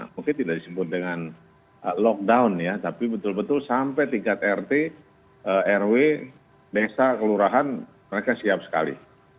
mungkin tidak disebut dengan lockdown ya tapi betul betul sampai tingkat rt rw desa kelurahan mereka siap sekali